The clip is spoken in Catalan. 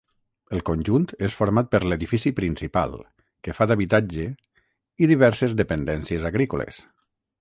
El conjunt és format per l'edifici principal, que fa d'habitatge, i diverses dependències agrícoles.